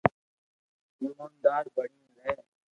ايموندار بڻين رھي